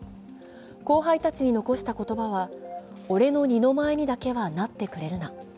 後輩たちの残した言葉は俺の二の舞にだけはなってくれるな。